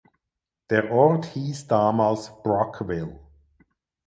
Der Ort hieß damals "Brockville".